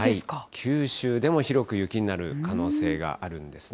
九州でも広く雪になる可能性があるんですね。